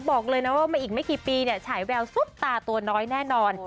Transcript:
บอกเลยนะว่ามาอีกไม่กี่ปีเนี่ยฉายแววซุปตาตัวน้อยแน่นอน